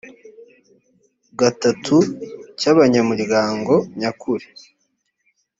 gatatu cy abanyamuryango nyakuri